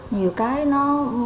nhiều cái nó